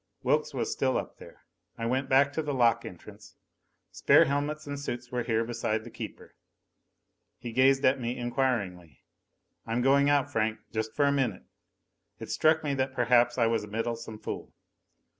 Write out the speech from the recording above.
Wilks was still up there! I went back to the lock entrance. Spare helmets and suits were here beside the keeper. He gazed at me inquiringly. "I'm going out, Franck. Just for a minute." It struck me that perhaps I was a meddlesome fool.